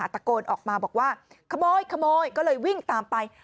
ตะโกนออกมาบอกว่าขโมยขโมยก็เลยวิ่งตามไป